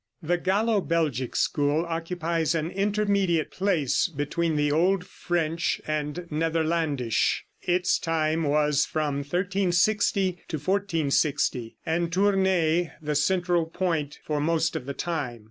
The Gallo Belgic school occupies an intermediate place between the old French and Netherlandish. Its time was from 1360 to 1460, and Tournay the central point for most of the time.